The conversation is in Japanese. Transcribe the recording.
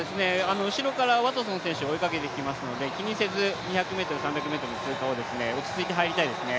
後ろからワトソン選手追いかけてきますので気にせず２００ｍ、３００ｍ通過を落ち着いて入りたいですね。